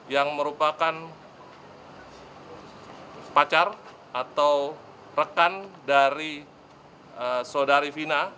yang merupakan pacar atau rekan dari saudari fina